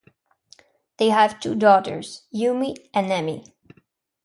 They have two daughters, Yumi and Emi.